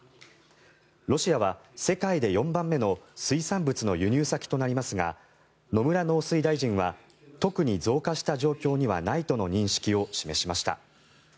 ロシアは世界で４番目の水産物の輸入先となりますが野村農水大臣は特に増加した状況にはないとの認識を示しました。